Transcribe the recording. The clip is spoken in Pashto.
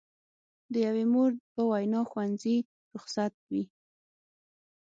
د یوې مور په وینا ښوونځي رخصت وي.